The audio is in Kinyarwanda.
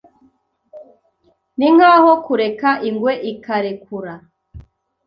Ninkaho kureka ingwe ikarekura.